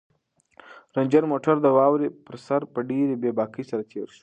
رنجر موټر د واورې پر سر په ډېرې بې باکۍ سره تېر شو.